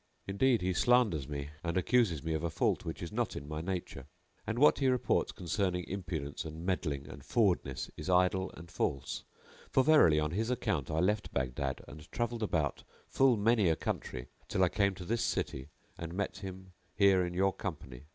Indeed he slanders me and accuses me of a fault which is not in my nature; and what he reports concerning impudence and meddling and forwardness is idle and false; for verily on his account I left Baghdad and travelled about full many a country till I came to this city and met him here in your company.